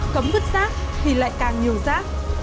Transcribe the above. cấm vứt rác thì lại càng nhiều rác